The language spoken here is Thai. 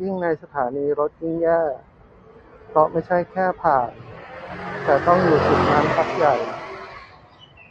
ยิ่งในสถานีรถยิ่งแย่ เพราะไม่ใช่แค่ผ่าน แต่ต้องอยู่จุดนั้นพักใหญ่